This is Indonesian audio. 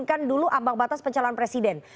ambang batas pencalon presiden